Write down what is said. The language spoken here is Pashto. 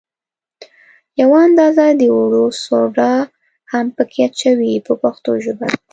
یوه اندازه د اوړو سوډا هم په کې اچوي په پښتو ژبه.